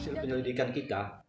hasil penyelidikan kita